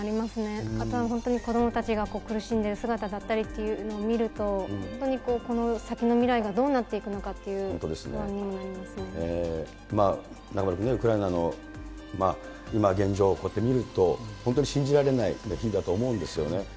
あとは本当に子どもたちが苦しんでる姿だったりっていうのを見ると、本当にこの先の未来がどうなっていくのかという不安にもなり中丸君ね、ウクライナの今現状、こうやって見ると、本当に信じられない日々だと思うんですよね。